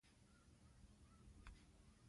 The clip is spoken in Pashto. قومونه د افغان کلتور سره تړاو لري.